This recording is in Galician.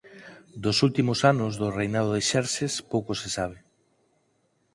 Dos últimos anos do reinado de Xerxes pouco se sabe.